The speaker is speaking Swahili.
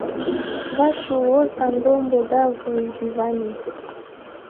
Vachu huosa dhombo dhavo idhivani